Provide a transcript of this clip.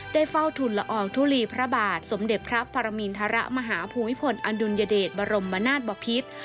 เฝ้าทุนละอองทุลีพระบาทสมเด็จพระปรมินทรมาหาภูมิพลอดุลยเดชบรมนาศบพิษ